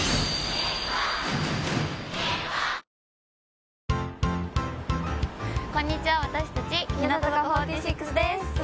「ビオレ」日向坂４６です。